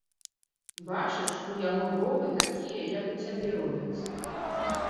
Бачыш, у яго бровы такія, як у цябе, робяцца.